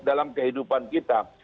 dalam kehidupan kita